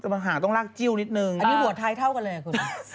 แต่มันหางต้องลากจิ้วนิดหนึ่งอ่าอันนี้หัวท้ายเท่ากันเลยอ่ะคุณ